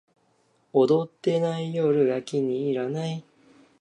踊ってない夜が気に入らない